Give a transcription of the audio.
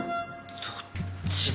どっちだ？